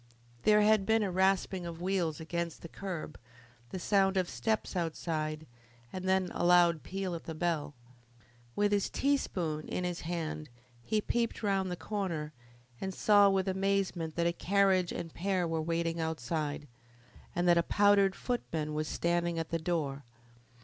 There had been a rasping of wheels against the curb, the sound of steps outside, and then a loud peal at the bell. With his teaspoon in his hand he peeped round the corner and saw with amazement that a carriage and pair were waiting outside, and that a powdered footman was standing at the door.